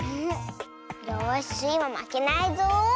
よしスイもまけないぞ。